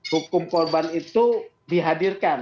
hukum korban itu dihadirkan